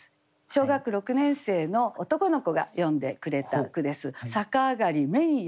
小学６年生の男の子が詠んでくれた句です。